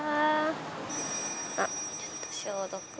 あっちょっと消毒を。